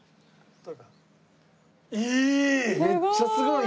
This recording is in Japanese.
いい！